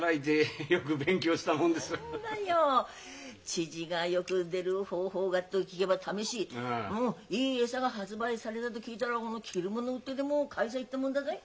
乳がよく出る方法があっと聞けば試しいい餌が発売されたと聞いたら着る物売ってでも買いさ行ったもんだぞい。